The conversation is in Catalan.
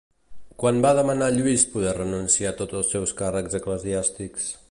Quan va demanar Lluís poder renunciar a tots els seus càrrecs eclesiàstics?